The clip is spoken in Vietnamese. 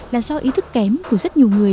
là do ý thức kém của rất nhiều người